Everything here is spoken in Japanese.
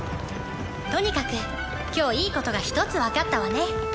とにかく今日いいことが一つ分かったわね